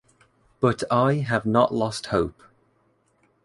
But I have not lost hope.